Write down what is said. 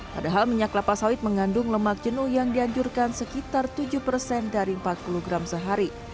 padahal minyak kelapa sawit mengandung lemak jenuh yang dianjurkan sekitar tujuh persen dari empat puluh gram sehari